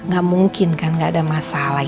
gak mungkin kan gak ada masalah